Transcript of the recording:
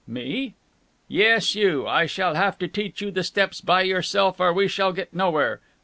"Me?" "Yes, you. I shall have to teach you the steps by yourself, or we shall get nowhere.